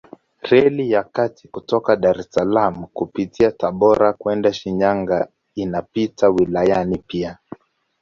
Reli ya kati kutoka Dar es Salaam kupitia Tabora kwenda Shinyanga inapita wilayani pia.